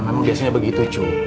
memang biasanya begitu cu